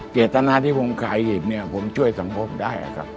เจตนาที่ผมขายหยิบผมช่วยสังพกษ์ได้ครับ